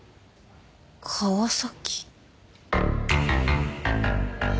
川崎？